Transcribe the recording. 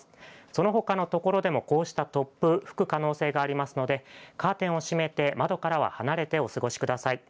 そのほかのところでもこうした突風が吹く可能性がありますので、カーテンを閉めて窓からは離れてお過ごしください。